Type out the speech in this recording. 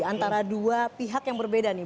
antara dua pihak yang berbeda nih